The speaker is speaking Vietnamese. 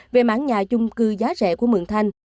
về mảng nhà chung cư giá rẻ của mường thanh